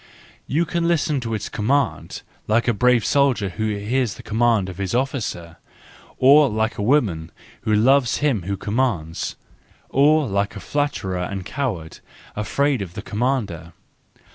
You can listen to its command like a brave soldier who hears the command of his officer. Or like a woman who loves him who commands. Or like a flatterer and coward, afraid of the commander.